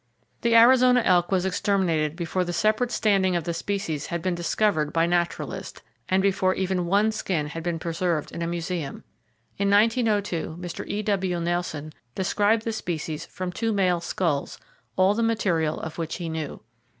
[Page 35] The Arizona elk was exterminated before the separate standing of the species had been discovered by naturalists, and before even one skin had been preserved in a museum! In 1902 Mr. E.W. Nelson described the species from two male skulls, all the material of which he knew.